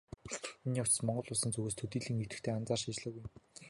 Энэ явцад Монгол Улсын зүгээс төдийлөн идэвхтэй анхаарч ажиллаагүй юм.